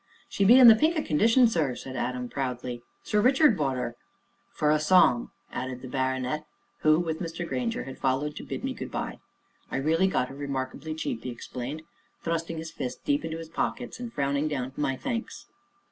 "She be in the pink o' condition, sir," said Adam proudly; "Sir Richard bought 'er " "For a song!" added the baronet, who, with Mr. Grainger, had followed to bid me good by. "I really got her remarkably cheap," he explained, thrusting his fists deep into his pockets, and frowning down my thanks.